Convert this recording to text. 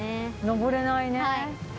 登れないね。